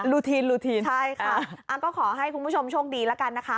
ลูทีนใช่ค่ะอันก็ขอให้คุณผู้ชมช่วงดีแล้วกันนะคะ